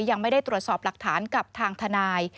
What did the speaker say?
ยังไม่ได้ตรวจสอบหลักฐานกับทางทนาย